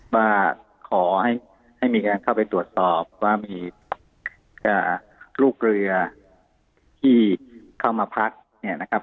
ว่าขอให้มีการเข้าไปตรวจสอบว่ามีลูกเรือที่เข้ามาพักเนี่ยนะครับ